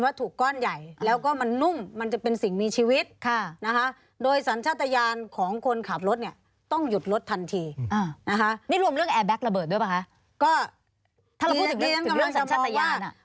อ่านะคะนี่รวมเรื่องแอร์แบ็คระเบิดด้วยป่ะคะก็ถ้าเราพูดถึงเรื่องสัญชาติยานอ่ะ